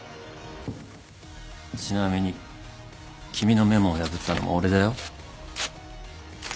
ちなみに君のメモを破ったのも俺だよ。